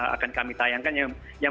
akan kami tayangkan yang